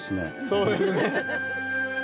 そうですね。